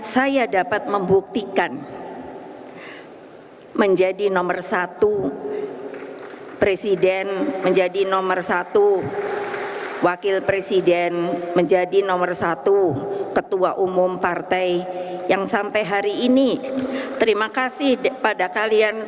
saya dapat membuktikan